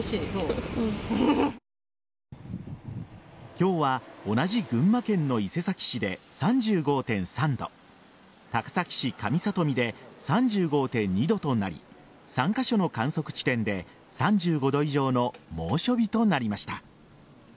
今日は同じ群馬県の伊勢崎市で３５．３度高崎市上里見で３５．２度となり３カ所の観測地点で３５度以上の猛暑日となりました。